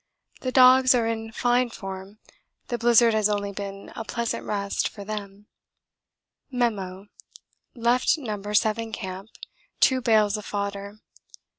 The dogs are in fine form the blizzard has only been a pleasant rest for them. Memo. Left No. 7 Camp. 2 bales of fodder.